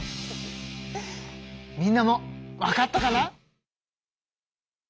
みんなもわかったかな？